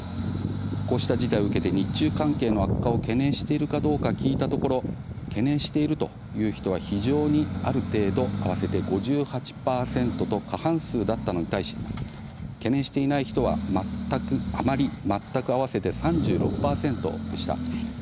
こうした事態を受けて日中関係の悪化を懸念しているかどうか聞いたところ懸念しているという人は非常に、ある程度、合わせて５８％と過半数だったのに対して懸念していない人はあまり、全く合わせて３６％でした。